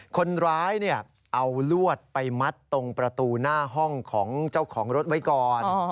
คนร้ายเอาลวดไปมัดตรงประตูหน้าห้องของเจ้าของรถไว้ก่อน